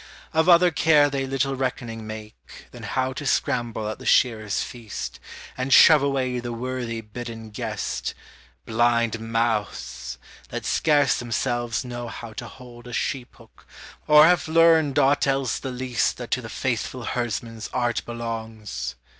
Of other care they little reckoning make, Than how to scramble at the shearers' feast, And shove away the worthy bidden guest; Blind mouths! that scarce themselves know how to hold A sheep hook, or have learned aught else the least That to the faithful herdsman's art belongs!